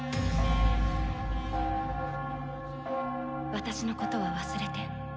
私のことは忘れて。